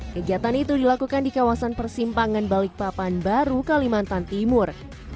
kegiatan itu dilakukan di kawasan persimpangan balikpapan baru kalimantan timur